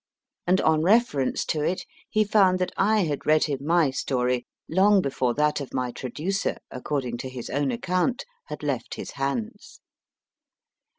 And on reference to it, he found that I had read him my story long before that of my traducer, according to his own account, had left his hands.